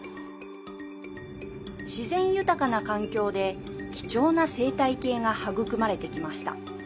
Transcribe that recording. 自然豊かな環境で貴重な生態系が育まれてきました。